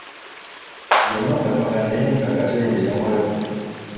Yamagamaga naye nga Katende tamulaba.